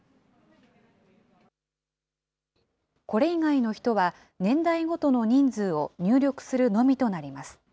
これ以外の人は、年代ごとの人数を入力するのみとなります。